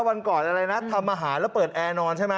วันก่อนอะไรนะทำอาหารแล้วเปิดแอร์นอนใช่ไหม